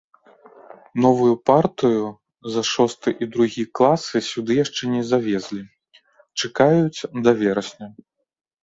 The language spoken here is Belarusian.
Новую партыю за шосты і другі класы сюды яшчэ не завезлі, чакаюць да верасня.